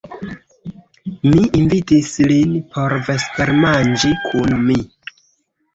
Mi invitis lin por vespermanĝi kun mi.